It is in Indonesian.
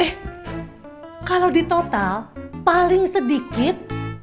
eh kalau di total paling sedikit